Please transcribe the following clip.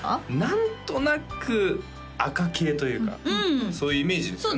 何となく赤系というかそういうイメージですよね